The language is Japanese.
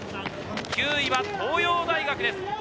９位は東洋大学です。